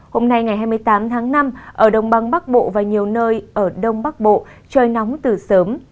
hôm nay ngày hai mươi tám tháng năm ở đồng băng bắc bộ và nhiều nơi ở đông bắc bộ trời nóng từ sớm